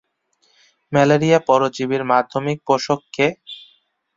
Malaria পরজীবীর মাধ্যমিক পোষক কে?